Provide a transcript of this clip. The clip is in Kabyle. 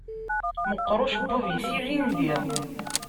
Meqqeṛ ucebbub-is ilindi.